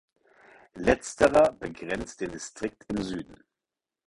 Letzterer begrenzt den Distrikt im Süden.